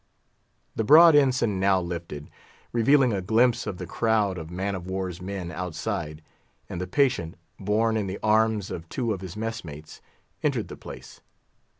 The broad ensign now lifted, revealing a glimpse of the crowd of man of war's men outside, and the patient, borne in the arms of two of his mess mates, entered the place.